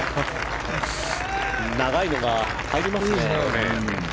長いのが入りますね。